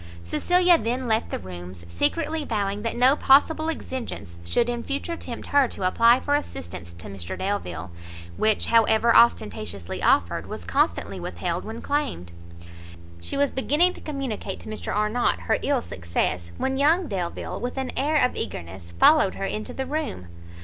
Cecilia then left the rooms secretly vowing that no possible exigence should in future tempt her to apply for assistance to Mr Delvile, which, however ostentatiously offered, was constantly withheld when claimed. She was beginning to communicate to Mr Arnott her ill success, when young Delvile, with an air of eagerness, followed her into the room.